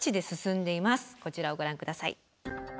こちらをご覧下さい。